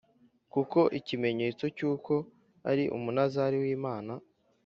kuko ikimenyetso cy uko ari Umunaziri w Imana